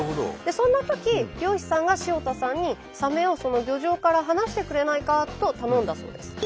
そんなとき漁師さんが塩田さんにサメを漁場から離してくれないかと頼んだそうです。